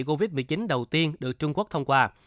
covid một mươi chín đầu tiên được trung quốc thông qua